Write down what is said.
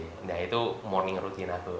nah itu morning rutin aku